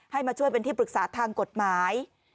มาช่วยเป็นที่ปรึกษาทางกฎหมาย